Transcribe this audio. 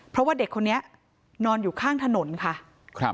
เพราะว่าเด็กคนนี้นอนอยู่ข้างถนนค่ะครับ